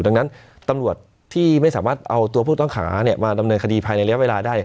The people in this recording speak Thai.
ดังนั้นตำรวจที่ไม่สามารถเอาตัวผู้ต้องหามาดำเนินคดีภายในระยะเวลาได้